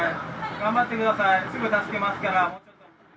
頑張ってください、すぐ助けますから。